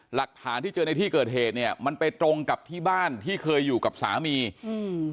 หลักฐานที่เจอในที่เกิดเหตุเนี้ยมันไปตรงกับที่บ้านที่เคยอยู่กับสามีอืม